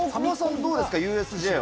どうですか、ＵＳＪは。